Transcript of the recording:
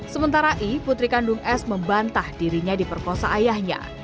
sementara i putri kandung s membantah dirinya diperkosa ayahnya